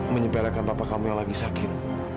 menyepelekan bapak kamu yang lagi sakit